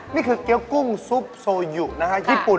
นี่คือเกี้ยวกุ้งซูปโซยุนะฮะญี่ปุ่น